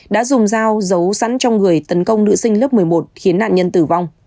đã dùng dao giấu sẵn trong người tấn công nữ sinh lớp một mươi một khiến nạn nhân tử vong